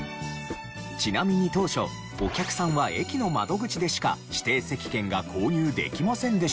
ちなみに当初お客さんは駅の窓口でしか指定席券が購入できませんでしたが。